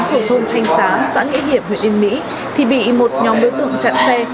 của thôn thanh sáng xã nghĩa hiểm huyện yên mỹ thì bị một nhóm đối tượng chặn xe